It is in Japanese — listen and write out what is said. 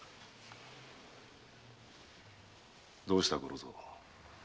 どうした五六蔵？